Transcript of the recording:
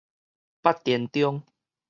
北田中